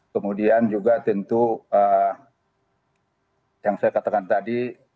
kemudian juga tentu yang saya katakan tadi